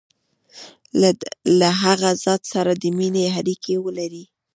له هغه ذات سره د مینې اړیکي ولري.